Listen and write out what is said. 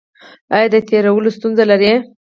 ایا د تیرولو ستونزه لرئ؟